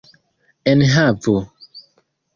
enhavo